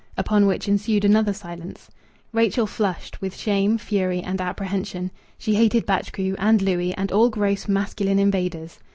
Upon which ensued another silence. Rachel flushed with shame, fury, and apprehension. She hated Batchgrew, and Louis, and all gross masculine invaders.